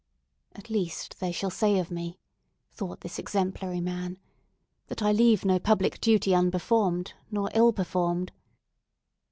"At least, they shall say of me," thought this exemplary man, "that I leave no public duty unperformed or ill performed!"